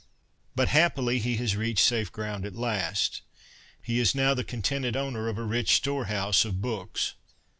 But, happily, he has reached safe ground at last. He is now the contented owner of a rich storehouse of books.